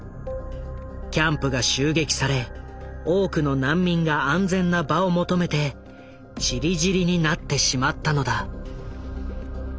キャンプが襲撃され多くの難民が安全な場を求めてちりぢりになってしまったのだ。